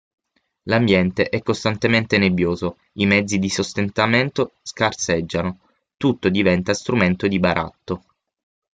L'ambiente è costantemente nebbioso, i mezzi di sostentamento scarseggiano, tutto diventa strumento di baratto.